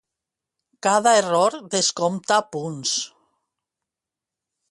Cada error descompta punts.